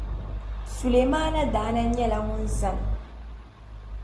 Sulemana daa na nyɛla ŋun zani.